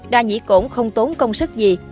đa nhĩ cổn không tốn công sức gì